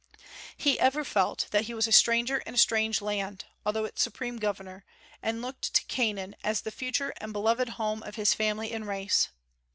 He ever felt that he was a stranger in a strange land, although its supreme governor, and looked to Canaan as the future and beloved home of his family and race.